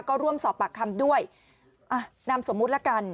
ก็ร่วมสอบปากคำด้วยนำสมมุติแล้วกัน